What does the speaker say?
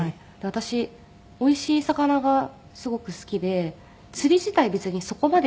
私おいしい魚がすごく好きで釣り自体別にそこまで。